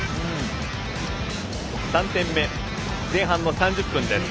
３点目、前半の３０分です。